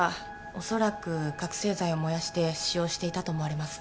おそらく覚醒剤を燃やして使用していたと思われます